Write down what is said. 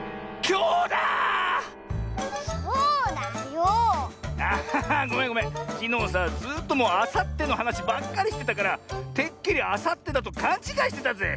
きのうさずっともうあさってのはなしばっかりしてたからてっきりあさってだとかんちがいしてたぜ。